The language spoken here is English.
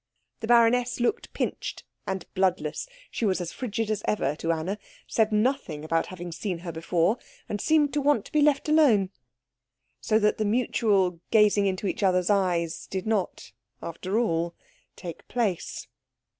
The baroness looked pinched and bloodless; she was as frigid as ever to Anna, said nothing about having seen her before, and seemed to want to be left alone. So that the mutual gazing into each other's eyes did not, after all, take place.